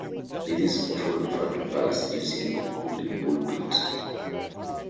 This is often referred to as using the bully pulpit.